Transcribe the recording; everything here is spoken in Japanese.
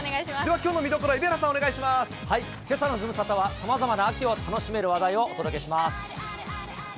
きょうのズムサタはさまざまな秋を楽しめる話題をお届けします。